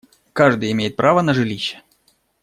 Каждый имеет право на жилище.